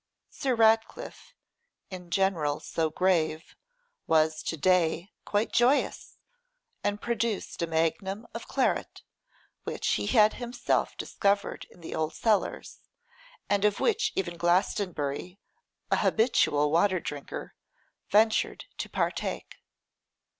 Sir Ratcliffe, in general so grave, was to day quite joyous, and produced a magnum of claret which he had himself discovered in the old cellars, and of which even Glastonbury, an habitual water drinker, ventured to partake.